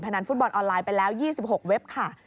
นันฟุตบอลออนไลน์ไปแล้ว๒๖เว็บค่ะ